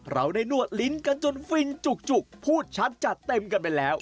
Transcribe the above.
เราได้นวดลิ้นกันจนฟินจุกพูดชัดจัดเต็มกันไปแล้ว